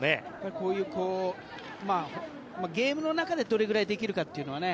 こういうゲームの中でどれくらいできるかというのはね